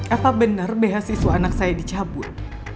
apa bener bh siswa anak saya dicabut